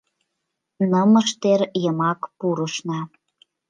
Нымыштер йымак пурышна